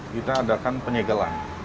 kita adakan penyegelan